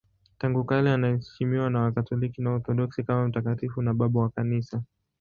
Tangu kale anaheshimiwa na Wakatoliki na Waorthodoksi kama mtakatifu na Baba wa Kanisa.